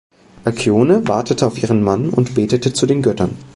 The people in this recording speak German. Alkyone wartete auf ihren Mann und betete zu den Göttern.